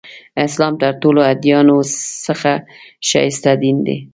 اسلام تر ټولو ادیانو څخه ښایسته دین دی.